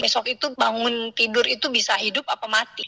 besok itu bangun tidur itu bisa hidup apa mati